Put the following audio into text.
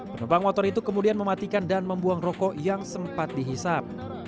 penumpang motor itu kemudian mematikan dan membuang rokok yang sempat dihisap